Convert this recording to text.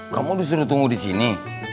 kamu disuruh tunggu di sini